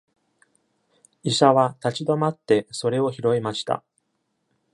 医者は立ち止まってそれを拾いました。